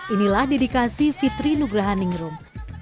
inilah dedikasi fitri nugrahaningrum